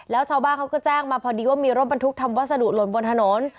แล้วชาวบ้านเขาก็แจ้งมาพอดีว่ามีรถบรรทุกทำวัสดุหล่นบนถนน